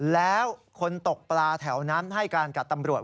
แล้วคนตกปลาแถวนั้นให้การกับตำรวจ